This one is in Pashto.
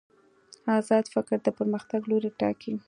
ازاد فکر د پرمختګ لوری ټاکي.